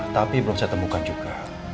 tapi belum saya temukan juga